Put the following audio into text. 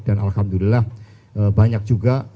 dan alhamdulillah banyak juga